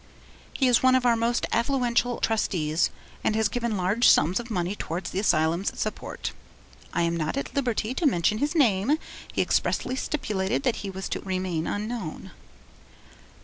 'He is one of our most affluential Trustees, and has given large sums of money towards the asylum's support. I am not at liberty to mention his name; he expressly stipulated that he was to remain unknown.'